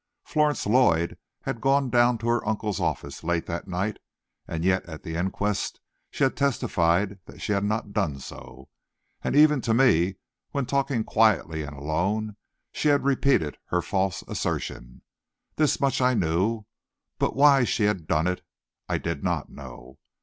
Florence Lloyd had gone down to her uncle's office late that night, and yet at the inquest she had testified that she had not done so. And even to me, when talking quietly and alone, she had repeated her false assertion. This much I knew, but why she had done it, I did not know.